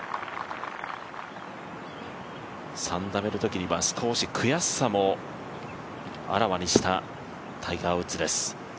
３打目のときには少し悔しさもあらわにしたタイガー・ウッズです。